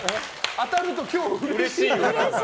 当たると今日うれしいね。